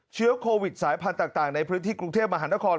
เชื้อโควิดสายพันธุ์ต่างในพื้นที่กรุงเทพมหานคร